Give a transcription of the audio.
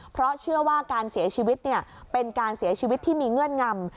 เพราะเชื่อว่าการเสียชีวิตเป็นการเสียชีวิตที่มีเงื่อนงำ